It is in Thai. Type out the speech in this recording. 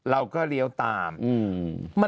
แล้วก็ล้างตาม